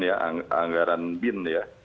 ya anggaran bin ya